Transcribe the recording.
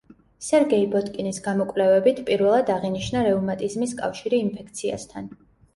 სერგეი ბოტკინის გამოკვლევებით პირველად აღინიშნა რევმატიზმის კავშირი ინფექციასთან.